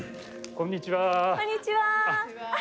こんにちは。